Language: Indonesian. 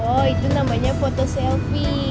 oh itu namanya foto selfie